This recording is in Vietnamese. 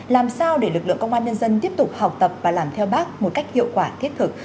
làm sao để lực lượng công an nhân dân tiếp tục học tập và làm theo bác một cách hiệu quả thiết thực